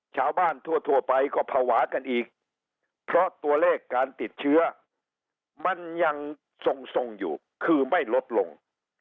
ชาวบ้านทั่วไปก็ภาวะกันอีกเพราะตัวเลขการติดเชื้อมันยังทรงอยู่คือไม่ลดลง